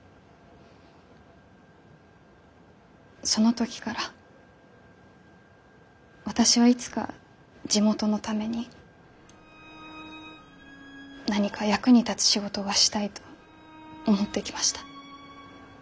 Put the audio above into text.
その時から私はいつか地元のために何か役に立つ仕事がしたいと思ってきました。